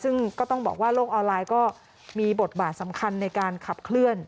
ซึ่งก็ต้องบอกว่าโลกออนไลน์ก็มีบทบาทสำคัญในการขับเคลื่อน